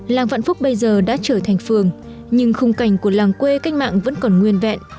làng vạn phúc bây giờ đã trở thành phường nhưng khung cảnh của làng quê cách mạng vẫn còn nguyên vẹn